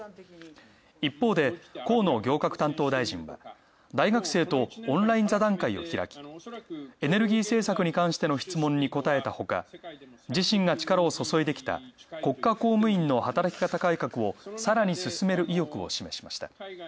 一方で、河野行革担当大臣は大学生とオンライン座談会を開き、エネルギー政策に関しての質問に答えたほか、自身が力を注いできた国家公務員の働き方改革をさらに進める意欲を示しました。